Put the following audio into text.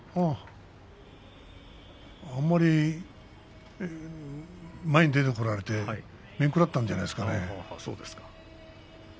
あんまり前に出てこられて面食らったんじゃないですかね。